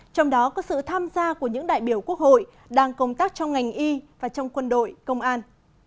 trong đó có sự tham gia của những đại biểu quốc hội đang công tác trong ngành y và trong quân đội công an